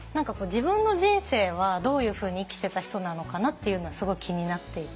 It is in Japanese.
自分の人生はどういうふうに生きてた人なのかなっていうのはすごい気になっていて。